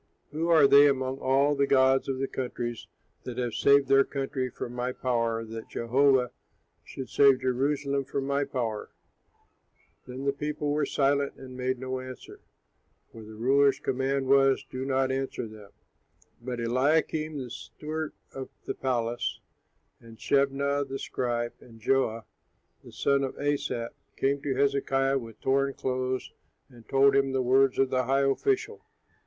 Who are they among all the gods of the countries, that have saved their country from my power, that Jehovah should save Jerusalem from my power?'" Then the people were silent and made no answer; for the ruler's command was, "Do not answer him." But Eliakim, the steward of the palace, and Shebnah, the scribe, and Joah, the son of Asaph, came to Hezekiah with torn clothes and told him the words of the high official.